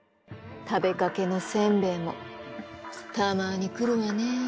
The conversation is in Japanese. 食べかけの煎餅もたまに来るわねぇ。